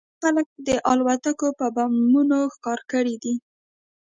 ما ډېر خلک د الوتکو په بمونو ښکار کړي دي